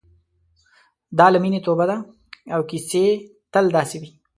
دا له مینې توبه ده او کیسې تل داسې دي.